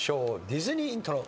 ディズニーイントロ。